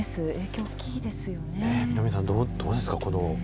南野さん、どうですか？